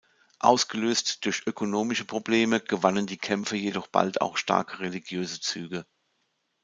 Ausgelöst durch ökonomische Probleme gewannen die Kämpfe jedoch bald auch starke religiöse Züge.